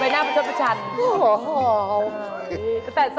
ดีแล้ว